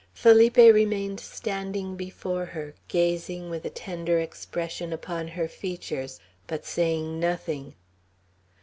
Felipe remained standing before her, gazing, with a tender expression, upon her features, but saying nothing.